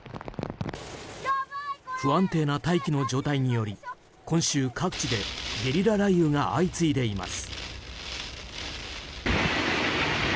不安定な大気の状態により今週、各地でゲリラ雷雨が相次いでいます。